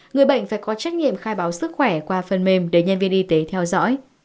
người bệnh phải có trách nhiệm khai báo sức khỏe qua phần mềm để nhân viên y tế theo dõi